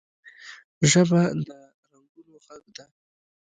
ژبه د رنګونو غږ ده